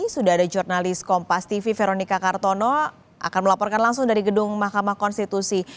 sudah ada jurnalis kompas tv veronica kartono akan melaporkan langsung dari gedung mahkamah konstitusi